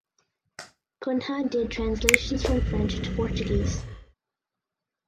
Cunha did translations from French to Portuguese.